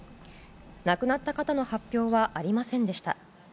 亡くなった方の発表はありませんでした。